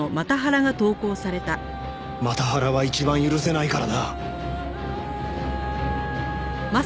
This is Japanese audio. マタハラは一番許せないからな！